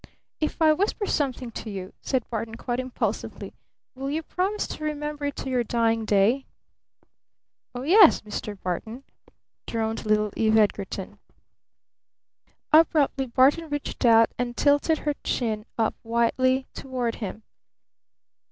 "If I whisper something to you," said Barton quite impulsively, "will you promise to remember it to your dying day?" "Oh, yes, Mr. Barton," droned little Eve Edgarton. Abruptly Barton reached out and tilted her chin up whitely toward him.